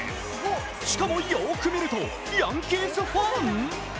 しかも、よーく見るとヤンキースファン？